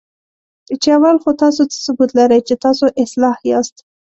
چې اول خو تاسو څه ثبوت لرئ، چې تاسو اصلاح یاست؟